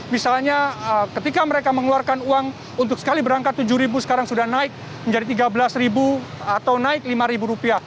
misalnya ketika mereka mengeluarkan uang untuk sekali berangkat rp tujuh sekarang sudah naik menjadi rp tiga belas atau naik rp lima